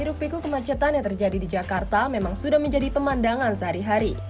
hirupiku kemacetan yang terjadi di jakarta memang sudah menjadi pemandangan sehari hari